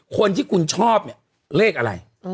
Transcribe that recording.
คนที่คุณชอบเนี่ยเลขอะไร